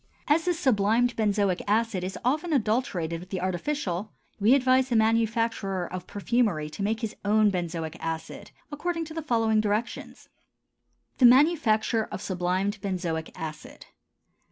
As this sublimed benzoic acid is often adulterated with the artificial, we advise the manufacturer of perfumery to make his own benzoic acid according to the following directions. _The Manufacture of Sublimed Benzoic Acid.